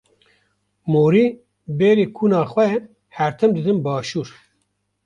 Morî berê kuna xwe her tim didin başûr.